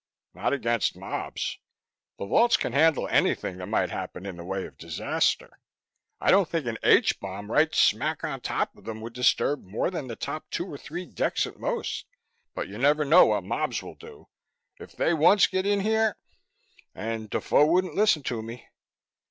"Not against mobs. The vaults can handle anything that might happen in the way of disaster. I don't think an H bomb right smack on top of them would disturb more than the top two or three decks at most. But you never know what mobs will do. If they once get in here And Defoe wouldn't listen to me!"